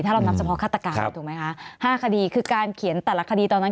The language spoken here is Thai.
ถ้าเรานับเฉพาะฆาตการถูกไหมคะ๕คดีคือการเขียนแต่ละคดีตอนนั้น